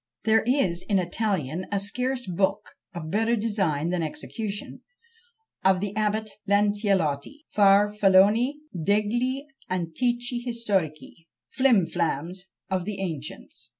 There is in Italian a scarce book, of a better design than execution, of the Abbate Lancellotti, Farfalloni degli Antichi Historici. "Flim flams of the Ancients."